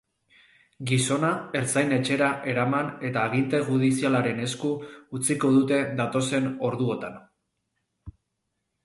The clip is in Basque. Gizona ertzain-etxera eraman eta aginte judizialaren esku utziko dute datozen orduotan.